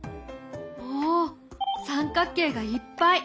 おお！三角形がいっぱい！